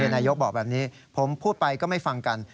นายกบอกแบบนี้ผมพูดไปก็ไม่ฟังกัน